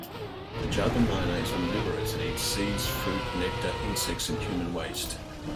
The Javan myna is omnivorous and eats seeds, fruit, nectar, insects and human waste.